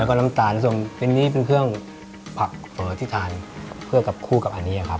แล้วก็น้ำตาลส่วนเป็นนี้เป็นเครื่องผักที่ทานเพื่อกับคู่กับอันนี้ครับ